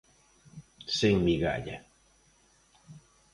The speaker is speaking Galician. Sen migalla!